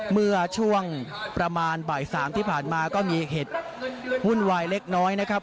เมื่อช่วงประมาณบ่าย๓ที่ผ่านมาก็มีเหตุวุ่นวายเล็กน้อยนะครับ